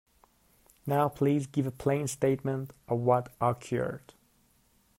Now please give a plain statement of what occurred.